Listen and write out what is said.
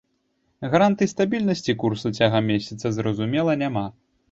Гарантый стабільнасці курса цягам месяца, зразумела, няма.